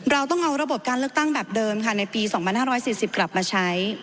เราต้องเอาระบบการเลือกตั้งแบบเดิมค่ะในปี๒๕๔๐กลับมาใช้